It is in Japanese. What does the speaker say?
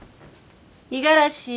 五十嵐！